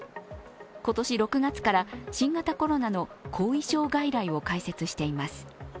今年６月から新型コロナの後遺症外来を開設しています。